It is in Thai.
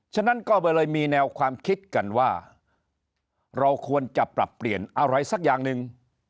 ฉะนั้นก็เลยมีแนวความคิดกันว่าเราควรจะปรับเปลี่ยนอะไรสักอย่างหนึ่ง